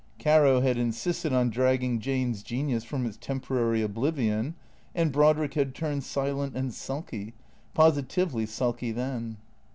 Caro had insisted on dragging Jane's genius from its temporary oblivion, and Brodrick had turned silent and sulky, positively sulky then.